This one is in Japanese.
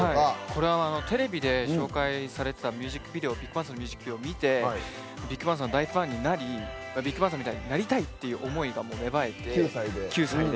これはテレビで紹介されてたミュージックビデオを見てＢＩＧＢＡＮＧさんの大ファンになりＢＩＧＢＡＮＧさんみたいになりたいという思いが芽生えて９歳で。